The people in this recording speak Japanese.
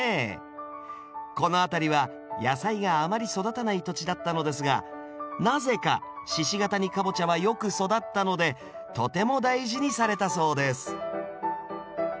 この辺りは野菜があまり育たない土地だったのですがなぜか鹿ケ谷かぼちゃはよく育ったのでとても大事にされたそうです